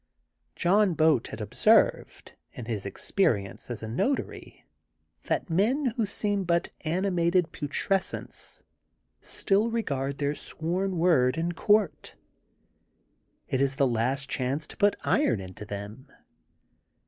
John Boat had observed, in his experience as a notary, that men, who seem but animated putrescence, still regard their sworn word in court. It is the last chance to put iron into 1 them.